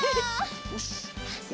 よし！